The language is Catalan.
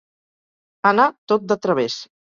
Anar tot de través.